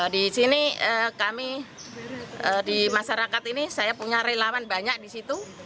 di sini kami di masyarakat ini saya punya relawan banyak di situ